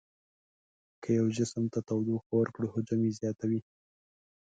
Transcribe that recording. که یو جسم ته تودوخه ورکړو حجم یې زیاتوي.